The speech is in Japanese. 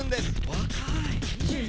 若い！